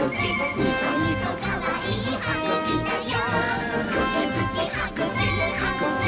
ニコニコかわいいはぐきだよ！」